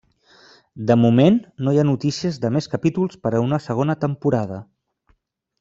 De moment no hi ha notícies de més capítols per a una segona temporada.